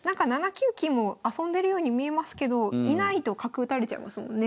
７九金も遊んでるように見えますけどいないと角打たれちゃいますもんね。